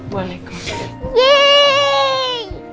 boleh boleh kok